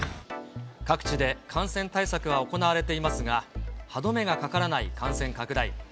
各地で感染対策は行われていますが、歯止めがかからない感染拡大。